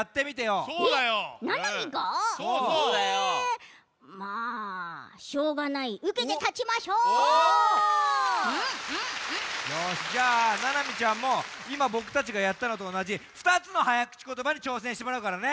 よしじゃあななみちゃんもいまぼくたちがやったのとおなじ２つのはやくちことばにちょうせんしてもらうからね。